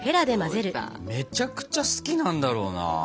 めちゃくちゃ好きなんだろうな。